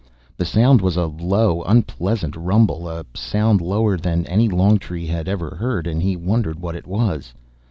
The Sound was a low unpleasant rumble, a sound lower than any Longtree had ever heard, and he wondered what it was.